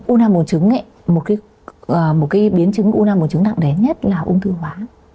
u năng buồng trứng một biến chứng u năng buồng trứng nặng đáng nhất là ung thư hóa